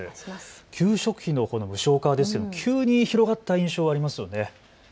給食費の無償化、急に広がった印象ありますよね。